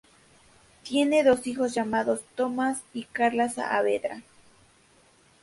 Tiene dos hijos llamados: Tomás y Carla Saavedra.